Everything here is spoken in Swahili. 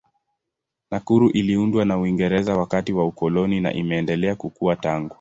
Nakuru iliundwa na Uingereza wakati wa ukoloni na imeendelea kukua tangu.